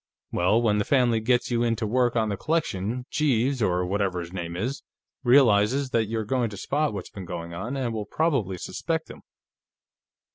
Well, when the family gets you in to work on the collection, Jeeves, or whatever his name is, realizes that you're going to spot what's been going on, and will probably suspect him.